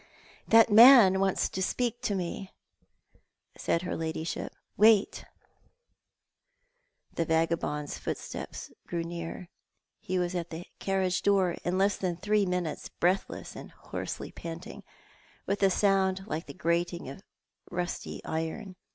"That man wants to speak to me," said her ladyship. "Wait." The vagabond's footsteps drew near. He was at the carriage door in less than three minutes, breathless and hoarsely panting, with a sound like the grating of rusty iron.